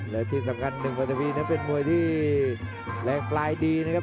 และที่สำคัญ๑๐๐ทวีนั้นเป็นมวยที่แรงปลายดีนะครับ